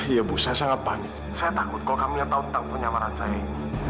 iya bu saya sangat panik saya takut kalau kamila tahu tentang penyamanan saya ini